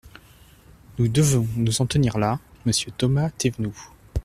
Nous devons nous en tenir là, monsieur Thomas Thévenoud.